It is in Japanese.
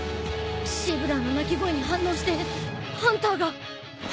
シブラーの鳴き声に反応してハンターが。